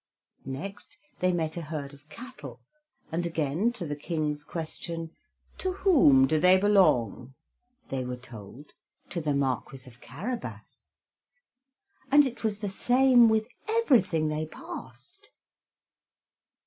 Next they met a herd of cattle, and again to the King's question, "To whom do they belong?" they were told, "To the Marquis of Carabas." And it was the same with everything they passed.